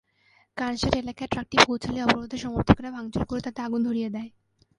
কানসাট এলাকায় ট্রাকটি পৌঁছালে অবরোধের সমর্থকেরা ভাঙচুর করে তাতে আগুন ধরিয়ে দেয়।